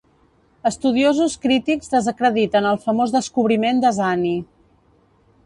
Estudiosos crítics desacrediten el famós descobriment de Zani.